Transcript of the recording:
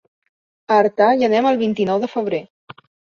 A Artà hi anem el vint-i-nou de febrer.